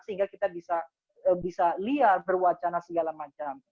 sehingga kita bisa liar berwacana segala macam